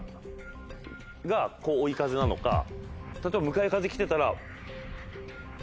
こう追い風なのか例えば向かい風来てたら。